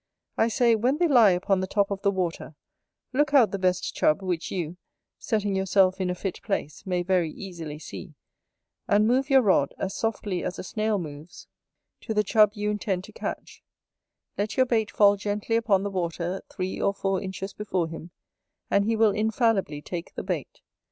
I say, when they lie upon the top of the water, look out the best Chub, which you, setting yourself in a fit place, may very easily see, and move your rod, as softly as a snail moves, to that Chub you intend to catch; let your bait fall gently upon the water three or four inches before him, and he will infallibly take the bait.